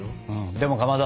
でもかまど。